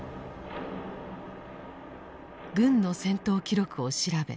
軍の戦闘記録を調べ